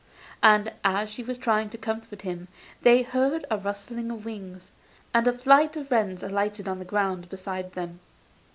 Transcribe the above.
And as she was trying to comfort him they heard a rustling of wings, and a flight of wrens alighted on the ground beside them.